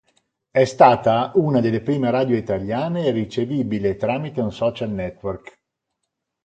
È stata una delle prime radio italiane ricevibile tramite un social network.